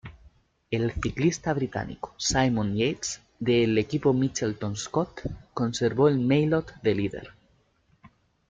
El ciclista británico Simon Yates del equipo Mitchelton-Scott conservó el maillot de líder.